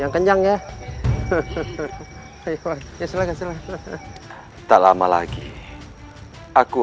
yang mencoburnakan ilmu yang mencoburnakan ilmu